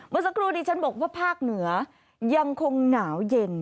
เมื่อสักครู่นี้ฉันบอกว่าภาคเหนือยังคงหนาวเย็น